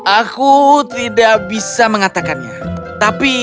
aku tidak bisa mengatakannya tapi